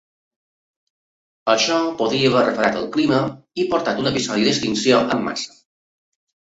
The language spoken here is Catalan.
Això podria haver refredat el clima i portat a un episodi d'extinció en massa.